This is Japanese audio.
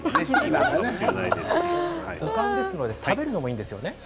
五感ですので食べるのもいいんですよね。